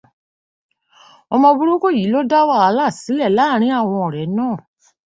Ọmọ burúkú yìí ló dá wàhálà sílẹ̀ láàárín àwọn ọ̀rẹ́ náà.